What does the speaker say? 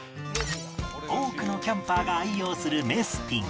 多くのキャンパーが愛用するメスティン